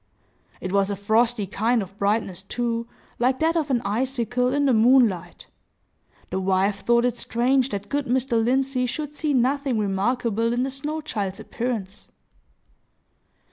It was a frosty kind of brightness, too, like that of an icicle in the moonlight. The wife thought it strange that good Mr. Lindsey should see nothing remarkable in the snow child's appearance.